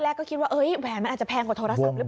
ก็คิดว่าแหวนมันอาจจะแพงกว่าโทรศัพท์หรือเปล่า